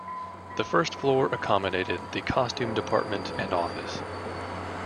The first floor accommodated the costume department and office.